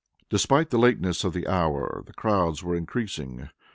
Despite the lateness of the hour, the crowds were increasing.